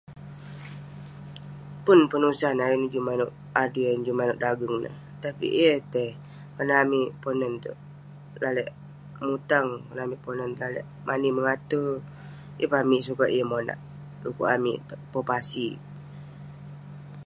Pun penusah ne ayuk ne juk maneuk adui, ayuk ne juk maneuk dageng neh tapik yeng eh tai karna amik ponan teuk lalek mutang, amik ponan tek lalek mani mengate. Ye pun amik sukat yeng monak dukuk amik tek pepashik.